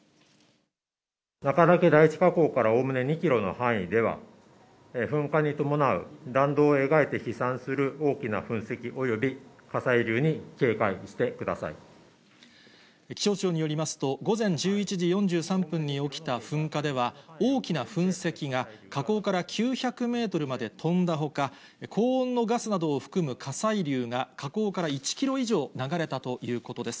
中岳第１火口からおおむね２キロの範囲では、噴火に伴う弾道を描いて飛散する大きな噴石及び火砕流に警戒して気象庁によりますと、午前１１時４３分に起きた噴火では、大きな噴石が火口から９００メートルまで飛んだほか、高温のガスなどを含む火砕流が火口から１キロ以上流れたということです。